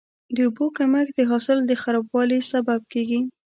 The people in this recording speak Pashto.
د اوبو کمښت د حاصل د خرابوالي سبب کېږي.